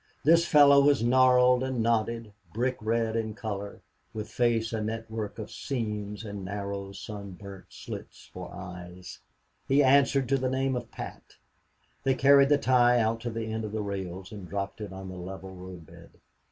This fellow was gnarled and knotted, brick red in color, with face a network of seams, and narrow, sun burnt slits for eyes. He answered to the name of Pat. They carried the tie out to the end of the rails and dropped it on the level road bed.